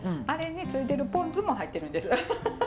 あれに付いてるポン酢も入ってるんです。